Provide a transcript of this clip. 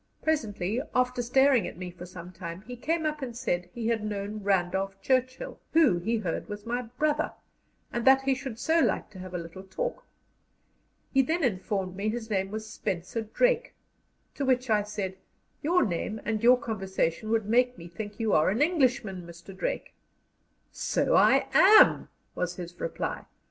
Presently, after staring at me for some time, he came up and said he had known Randolph Churchill, who, he heard, was my brother, and that he should so like to have a little talk. He then informed me his name was Spencer Drake, to which I said: "Your name and your conversation would make me think you are an Englishman, Mr. Drake." "So I am," was his reply.